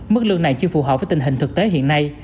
mức lương này chưa phù hợp với tình hình thực tế hiện nay